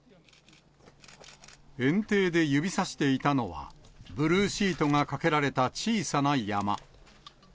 園庭で指さしていたのは、ブルーシートがかけられた小さな山。